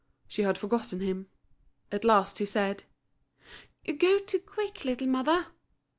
She had forgotten him. At last he said: "You go too quick, little mother."